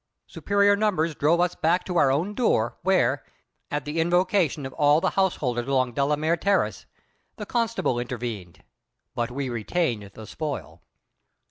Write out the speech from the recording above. Superior numbers drove us back to our own door, where at the invocation of all the householders along Delamere Terrace the constable intervened; but we retained the spoil.